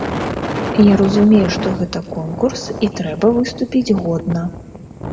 Я разумею, што гэта конкурс, і трэба выступіць годна.